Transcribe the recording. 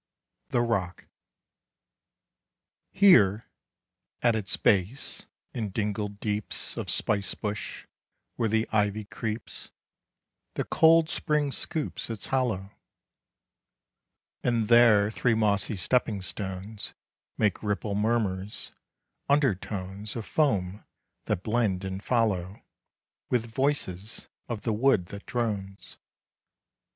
THE ROCK. Here, at its base, in dingled deeps Of spice bush, where the ivy creeps, The cold spring scoops its hollow; And there three mossy stepping stones Make ripple murmurs; undertones Of foam that blend and follow With voices of the wood that drones.